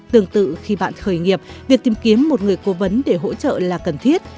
tương tự khi bạn khởi nghiệp việc tìm kiếm một người cố vấn để hỗ trợ là cần thiết